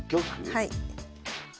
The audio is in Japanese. はい。